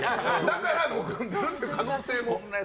だからむくんでるっていう可能性も。